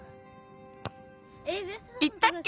いったっけ？